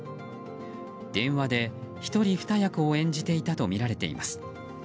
電話で一人二役を演じていたとみられています。